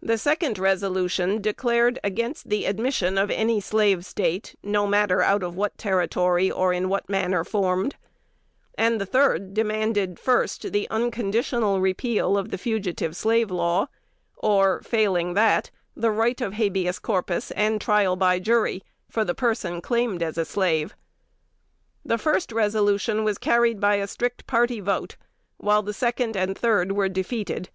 The second resolution declared against the admission of any Slave State, no matter out of what Territory, or in what manner formed; and the third demanded, first, the unconditional repeal of the Fugitive Slave Law, or, failing that, the right of habeas corpus and trial by jury for the person claimed as a slave. The first resolution was carried by a strict party vote; while the second and third were defeated.